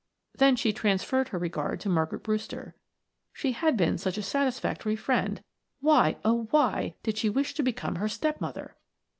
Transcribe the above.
Then she transferred her regard to Margaret Brewster; she had been such a satisfactory friend why oh, why did she wish to become her step mother?